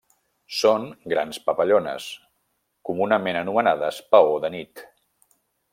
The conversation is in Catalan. Són grans papallones, comunament anomenades paó de nit.